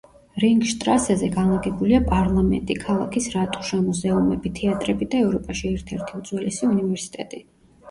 რინგშტრასეზე განლაგებულია პარლამენტი, ქალაქის რატუშა, მუზეუმები, თეატრები და ევროპაში ერთ-ერთი უძველესი უნივერსიტეტი.